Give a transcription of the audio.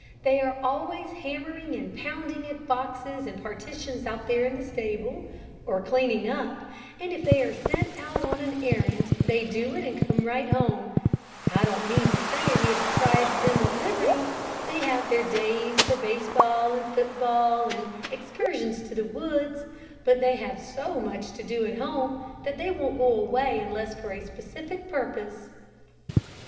They are always hammering and pounding at boxes and partitions out there in the stable, or cleaning up, and if they are sent out on an errand, they do it and come right home. I don't mean to say that we have deprived them of liberty. They have their days for base ball, and foot ball, and excursions to the woods, but they have so much to do at home, that they won't go away unless for a specific purpose."